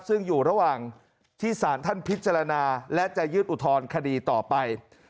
ซึ่งอยู่ระหว่างที่สารท่านพิจารณาและจะยื่นอุทธรณคดีต่อไป